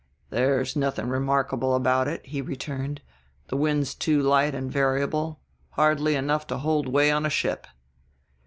"There's nothing remarkable about it," he returned; "wind's too light and variable, hardly enough to hold way on a ship."